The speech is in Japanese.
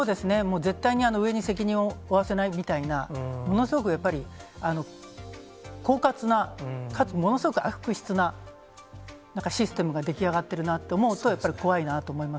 絶対に上に責任を負わせないみたいな、ものすごく、やっぱり、こうかつな、かつものすごく悪質ななんかシステムが出来上がってるなと思うと、やっぱり怖いなと思います。